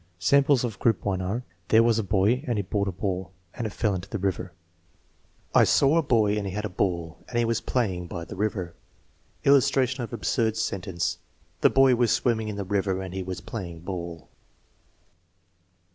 Samples of group 1 are: "There was a boy, and he bought a ball, and it fell into the river/* "I saw a boy, and he had a ball, and he was play ing by the river." Illustration of an absurd sentence, "The boy was swimming in the river and he was playing ball."